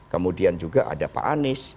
kemudian juga ada pak anies